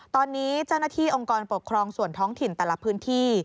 ตอนนี้เจ้าหน้าที่องค์กรปกครองส่วนท้องถิ่นแต่ละพื้นที่